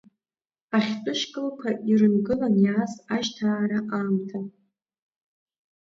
Ахьтәы шькылқәа ирынгылан иааз ажьҭаара аамҭа…